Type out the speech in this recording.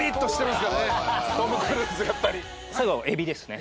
最後エビですね。